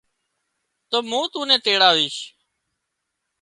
تو مُون تون نين تيڙاويش